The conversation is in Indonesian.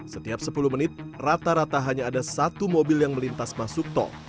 setiap sepuluh menit rata rata hanya ada satu mobil yang melintas masuk tol